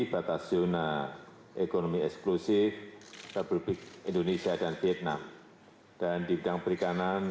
batas jurnal dan perundingan